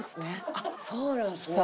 あっそうなんですね。